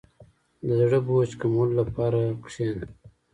• د زړه بوج کمولو لپاره کښېنه.